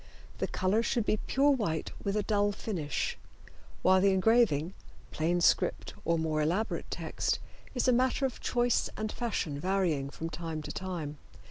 The color should be pure white with a dull finish, while the engraving, plain script or more elaborate text, is a matter of choice and fashion varying from time to time.